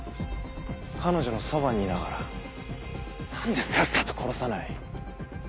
彼女のそばにいながら何でさっさと殺さない？